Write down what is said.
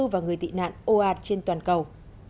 và người tị nạn ô ạt trên toàn cầu